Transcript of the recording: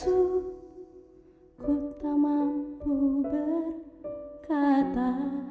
aku tak mampu berkata